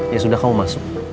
ya sudah kamu masuk